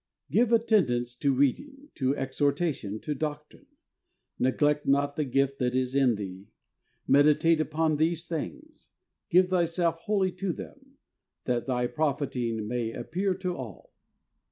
"Give attendance to reading, to exhortation, to doctrine. Neglect not the gift that is in thee. Meditate upon these things; give thyself wholly to them; that thy profiting may appear to all."